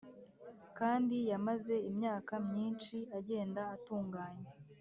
kandi yamaze imyaka myinshi agenda atunganye.